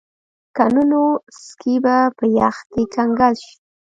که نه نو سکي به په یخ کې کنګل شي